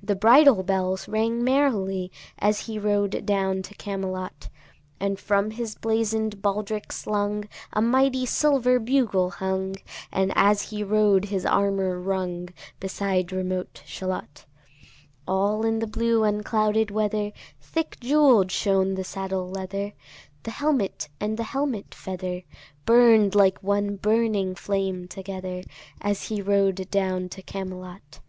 The bridle bells rang merrily As he rode down to Camelot: And from his blazon'd baldric slung A mighty silver bugle hung, And as he rode his armour rung, Beside remote Shalott. All in the blue unclouded weather Thick jewell'd shone the saddle leather, The helmet and the helmet feather Burn'd like one burning flame together, As he rode down to Camelot.